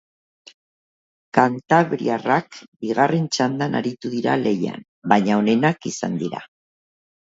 Kantabriarrak bigarren txandan aritu dira lehian, baina onenak izan dira.